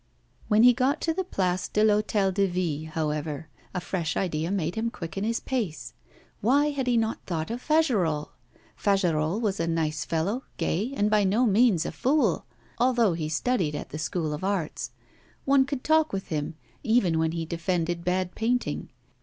When he got to the Place de l'Hôtel de Ville, however, a fresh idea made him quicken his pace. Why had he not thought of Fagerolles? Fagerolles was a nice fellow, gay, and by no means a fool, although he studied at the School of Arts. One could talk with him, even when he defended bad painting.